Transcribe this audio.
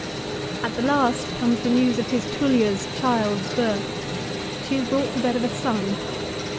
At the last comes the news of his Tullia's child's birth. She is brought to bed of a son.